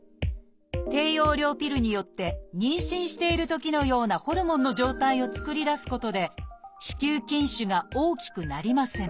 低用量ピルによって妊娠しているときのようなホルモンの状態を作り出すことで子宮筋腫が大きくなりません